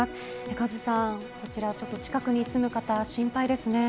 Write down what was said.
カズさん、こちら近くに住む方、心配ですね。